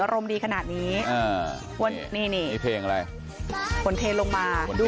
มันเทลงลงมาดูสักหน่อยไหมคะ